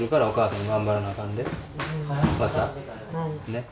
ねっ？